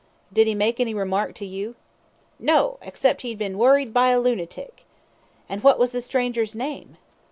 "Did he make any remark to you?" "No; except he'd been worried by a loonatic." "And what was the stranger's name?"